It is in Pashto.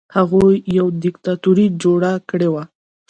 هغوی یوه دیکتاتوري جوړه کړې وه.